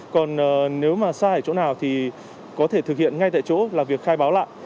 còn nếu mà sai ở chỗ nào thì có thể thực hiện ngay tại chỗ là việc khai báo lại